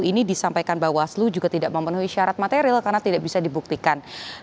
ini disampaikan bawaslu juga tidak memenuhi syarat material karena tidak bisa dibuktikan